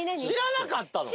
知らなかった！